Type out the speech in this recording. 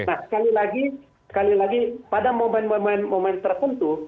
nah sekali lagi pada momen momen momen tertentu